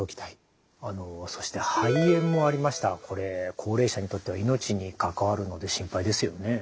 そして肺炎もありましたがこれ高齢者にとっては命に関わるので心配ですよね。